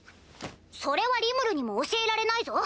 それはリムルにも教えられないぞ。